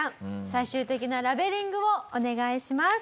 最終的なラベリングをお願いします。